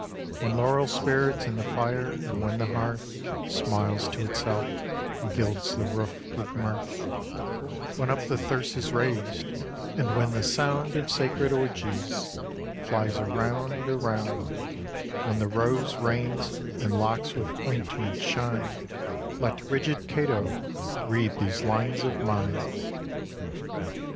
When laurel spirts i' th' fire, and when the hearth Smiles to itself, and gilds the roof with mirth; When up the Thyrse is raised, and when the sound Of sacred orgies, flies A round, A round; When the rose reigns, and locks with ointments shine, Let rigid Cato read these lines of mine.